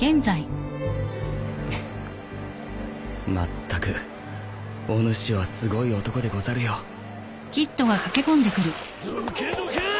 まったくおぬしはすごい男でござるよどけどけ！